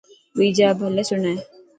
ٻيجا ڀلي سڻي.